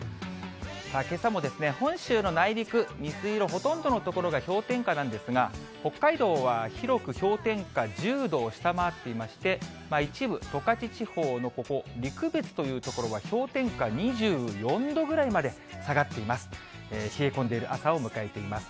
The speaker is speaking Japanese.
けさも本州の内陸、水色、ほとんどの所が氷点下なんですが、北海道は広く氷点下１０度を下回っていまして、一部、十勝地方のここ、陸別という所は氷点下２４度ぐらいまで下がっています。